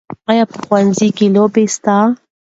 آیا په ښوونځي کې لوبې سته؟